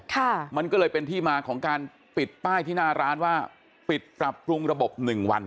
ค่ะมันก็เลยเป็นที่มาของการปิดป้ายที่หน้าร้านว่าปิดปรับปรุงระบบหนึ่งวัน